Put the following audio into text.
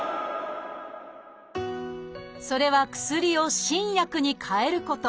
それは薬を新薬に替えること。